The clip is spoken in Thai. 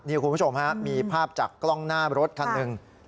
นี่คุณผู้ชมฮะมีภาพจากกล้องหน้ารถคันหนึ่ง